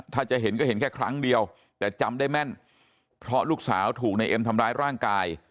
ถ้าจะเห็นก็เห็นแค่ครั้งเดียวแต่จำได้แม่นเพราะลูกสาวถูกในเอ็มทำร้ายร่างกาย